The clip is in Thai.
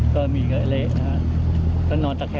ก็มีเกะเละนะคะ